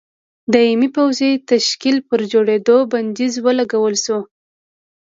دایمي پوځي تشکیل پر جوړېدو بندیز ولګول شو.